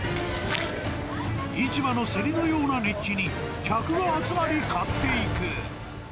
市場の競りのような熱気に、客が集まり買っていく。